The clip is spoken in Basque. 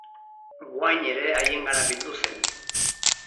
Gwain ere haiengana bildu zen.